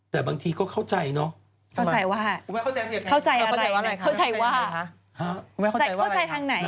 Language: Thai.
แต่บางทีเขาเข้าใจนะ